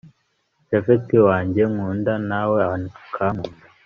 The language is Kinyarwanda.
japhet wanjye nkunda nawe akankunda………